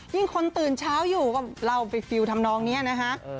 ยิ่งคนตื่นเช้าอยู่เราก็ไปฟิวทำนองเนี่ยนะฮะ